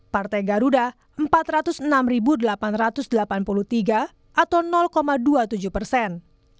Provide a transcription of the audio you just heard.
partai garuda empat ratus enam delapan ratus delapan puluh tiga atau dua puluh tujuh persen